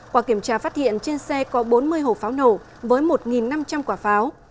qua kiểm tra phát hiện trên xe có bốn mươi hồ pháo nổ với một năm trăm linh quả pháo